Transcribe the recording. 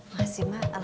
masih ma alhamdulillah